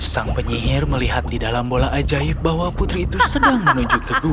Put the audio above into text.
sang penyihir melihat di dalam bola ajaib bahwa putri itu sedang menuju ke gua